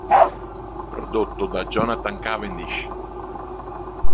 Prodotto da Jonathan Cavendish.